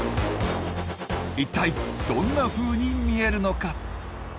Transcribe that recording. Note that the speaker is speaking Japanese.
一体どんなふうに見えるのか？